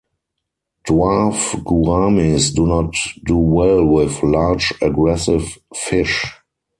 Dwarf gouramis do not do well with large, aggressive fish.